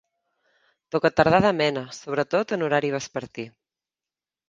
Tocatardà de mena, sobretot en horari vespertí.